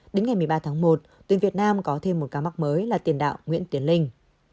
đến ngày một mươi ba tháng một tuyển việt nam có thêm một ca mắc mới là tiền đạo nguyễn tiến linh